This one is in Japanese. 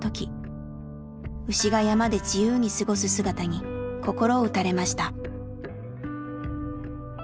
牛が山で自由に過ごす姿に心を打たれました。